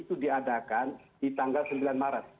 itu diadakan di tanggal sembilan maret